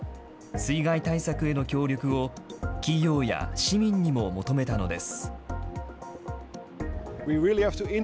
水害対策への協力を、企業や市民にも求めたのです。